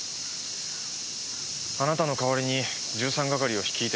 あなたの代わりに１３係を率いて２年。